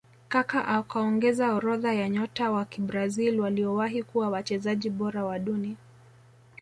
Kaka akaongeza orodha ya nyota wa kibrazil waliowahi kuwa wachezaji bora wa duni